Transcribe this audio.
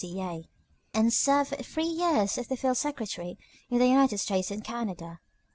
C. A., and served for three years as their field secretary in the United States and Canada.